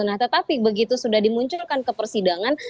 nah tetapi begitu sudah dimunculkan ke persidangan